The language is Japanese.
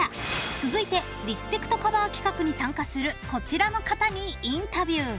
［続いて「リスペクト！！カバー」企画に参加するこちらの方にインタビュー］